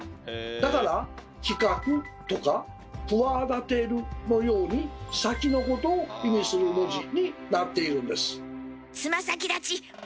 だから「企画」とか「企てる」のように先のことを意味する文字になっているんです。